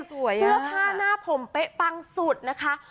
เสื้อผ้าหน้าผมเป๊ะปังสุดนะคะ